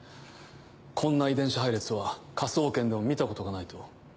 こんな遺伝子配列は科捜研でも見たことがないと。